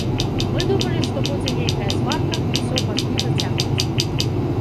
Мы думалі, што будзе нейкая сварка, усё пачне зацягвацца.